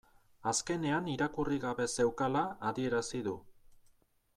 Azkenean irakurri gabe zeukala adierazi du